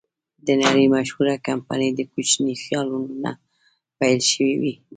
د نړۍ مشهوره کمپنۍ د کوچنیو خیالونو نه پیل شوې وې.